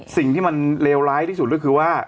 สิ่งที่มันเลวร้ายที่สุดก็คือว่า